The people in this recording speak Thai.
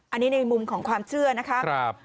อันนี้ในมุมของความเชื่อนะคะ